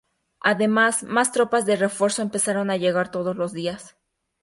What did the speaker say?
Además, más tropas de refuerzo empezaron a llegar todos los días.